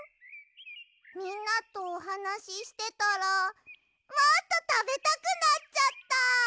みんなとおはなししてたらもっとたべたくなっちゃった！